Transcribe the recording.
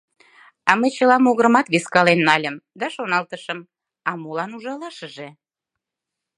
А мый чыла могырымат вискален нальым да шоналтышым: «А молан ужалашыже?»